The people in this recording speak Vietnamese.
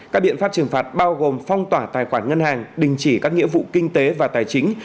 các biện pháp trừng phạt bao gồm phong tỏa tài khoản ngân hàng đình chỉ các nghĩa vụ kinh tế và tài chính